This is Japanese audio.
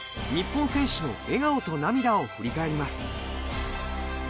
日本選手の笑顔と涙を振り返ります。